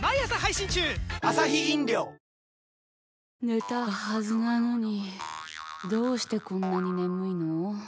寝たはずなのにどうしてこんなに眠いの。